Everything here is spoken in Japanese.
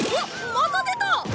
また出た！